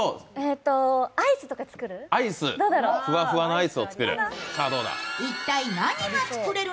アイスとか作る？